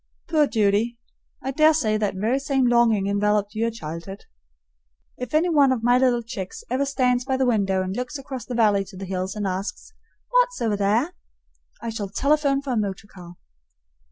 Poor Judy! I dare say that very same longing enveloped your childhood. If any one of my little chicks ever stands by the window and looks across the valley to the hills and asks, "What's over there?" I shall telephone for a motor car.